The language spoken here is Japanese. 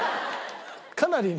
かなりね